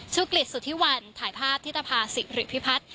ชุกฤทธิ์สุทธิวันถ่ายภาพธิตภาษิศิริพิพัฒน์